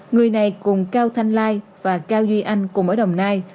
người này cùng cao thanh lai và cao duy anh cùng ở đồng nai